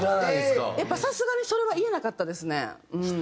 やっぱさすがにそれは言えなかったですね。